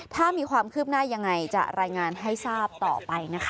ถ้ามีความคืบหน้ายังไงจะรายงานให้ทราบต่อไปนะคะ